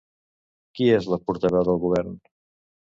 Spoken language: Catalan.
Qui és la portaveu del govern?